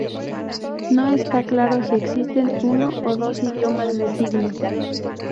No está claro si existen uno o dos idiomas de signos.